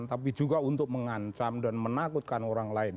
tapi juga untuk mengancam dan menakutkan orang lain